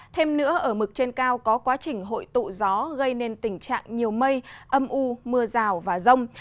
thêm nữa ở mực trên cao có quá trình hội tụ gió gây nên tình trạng nhiều mây âm u mưa rào và rông